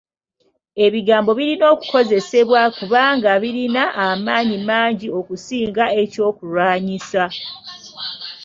Ebigambo birina okukozesebwa kubanga birina amaanyi mangi okusinga eky'okulwanyisa.